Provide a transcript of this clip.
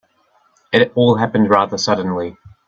It all happened rather suddenly.